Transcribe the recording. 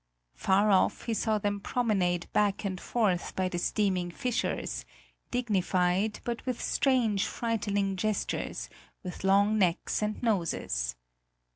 Far off he saw them promenade back and forth by the steaming fissures, dignified, but with strange, frightening gestures, with long necks and noses.